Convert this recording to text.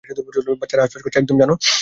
বাচ্চারা হাঁসফাঁস করছে একদম, জানো?